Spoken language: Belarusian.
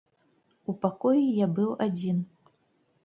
У пакоі я быў адзін.